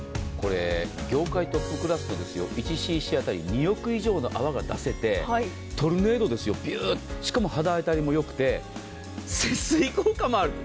業界トップクラス、１ｃｃ当たり２億以上の泡が出せて、トルネードですよ、しかも肌当たりもよくて節水効果もある。